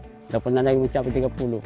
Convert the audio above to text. tidak pernah lagi mencapai tiga puluh